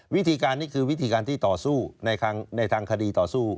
วิธีการนี้คือวิธีการที่ต่อสู้ในทางคดีต่อสู้